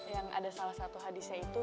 yang ada salah satu hadisnya itu